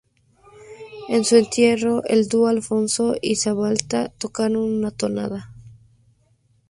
En su entierro, el dúo Alfonso y Zabala tocaron una tonada.